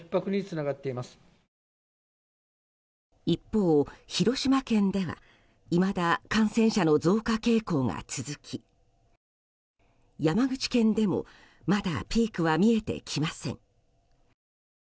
一方、広島県ではいまだ感染者の増加傾向が続き山口県でもまだピークは見えてきません。